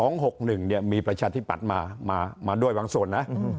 ๒๖๑เนี่ยมีประชาธิบัติมามาด้วยหวังส่วนนะ